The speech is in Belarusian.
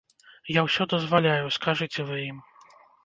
Я ўсё дазваляю, скажыце вы ім!